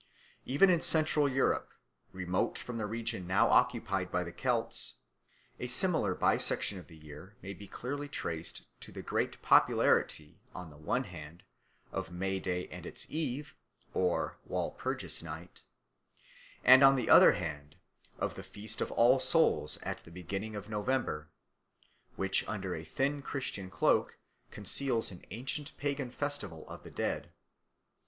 Even in Central Europe, remote from the region now occupied by the Celts, a similar bisection of the year may be clearly traced in the great popularity, on the one hand, of May Day and its Eve (Walpurgis Night), and, on the other hand, of the Feast of All Souls at the beginning of November, which under a thin Christian cloak conceals an ancient pagan festival of the dead.